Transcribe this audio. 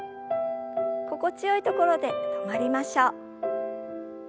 心地よいところで止まりましょう。